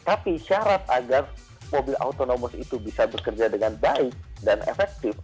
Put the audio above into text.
tapi syarat agar mobil autonomous itu bisa bekerja dengan baik dan efektif